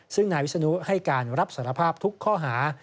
ซึ่งนายวิศนุให้การรับสารภาพทุกข้อหา